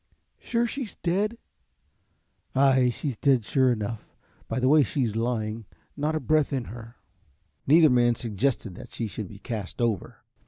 "Sure she's dead?" "Ay, she's dead sure enough by the way she's lying, not a breath in her." Neither man suggested that she should be cast over.